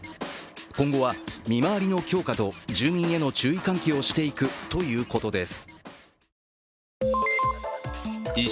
今後は見回りの強化と住民への注意喚起をしていくということです。